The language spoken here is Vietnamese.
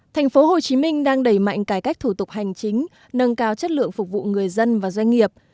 tp hcm đang đẩy mạnh cải cách thủ tục hành chính nâng cao chất lượng phục vụ người dân và doanh nghiệp